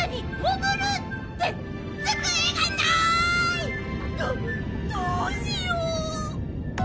どどうしよう。